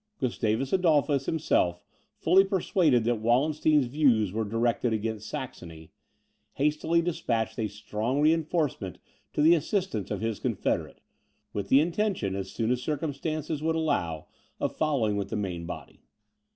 Gustavus Adolphus himself, fully persuaded that Wallenstein's views were directed against Saxony, hastily despatched a strong reinforcement to the assistance of his confederate, with the intention, as soon as circumstances would allow, of following with the main body.